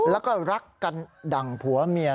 แล้วก็รักกันดั่งผัวเมีย